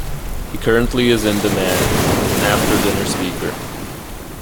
He currently is in demand as an after-dinner speaker.